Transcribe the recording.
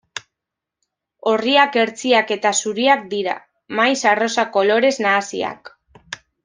Orriak hertsiak eta zuriak dira, maiz arrosa kolorez nahasiak.